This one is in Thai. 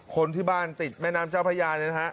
คนที่บ้านติดแม่น้ำเจ้าพระยาเนี่ยนะฮะ